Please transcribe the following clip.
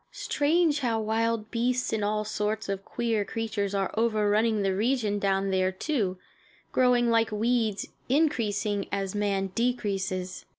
Strange how wild beasts and all sorts of queer creatures are overrunning the region down there, too, growing like weeds, increasing as man decreases.